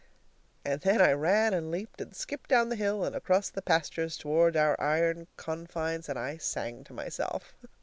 And then I ran and leaped and skipped down the hill and across the pastures toward our iron confines, and I sang to myself.